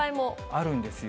あるんですよ。